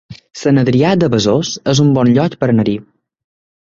Sant Adrià de Besòs es un bon lloc per anar-hi